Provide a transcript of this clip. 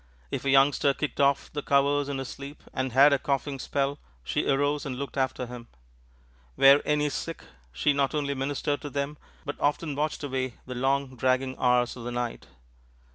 If a youngster kicked off the covers in his sleep and had a coughing spell, she arose and looked after him. Were any sick, she not only ministered to them, but often watched away the long, dragging hours of the night.